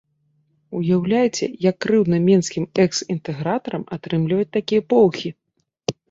Уяўляеце, як крыўдна менскім экс-інтэгратарам атрымліваць такія поўхі!